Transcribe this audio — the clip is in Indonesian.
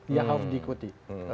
yang harus diikuti